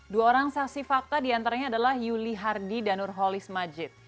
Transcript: dua orang saksi fakta diantaranya adalah yuli hardi dan nurholis majid